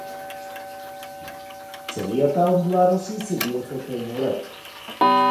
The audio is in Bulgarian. Цели ята от гларуси се виеха край морето.